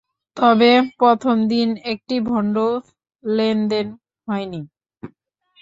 তবে প্রথম দিন একটি বন্ডও লেনদেন হয়নি।